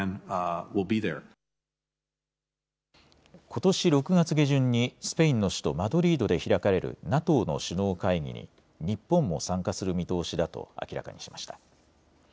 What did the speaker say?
ことし６月下旬にスペインの首都マドリードで開かれるＮＡＴＯの首脳会議に日本も参加する見通しだと明らかにしました。